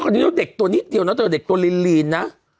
ก็เด็กตัวนิดเดียวนะแต่เด็กตัวลีนนะ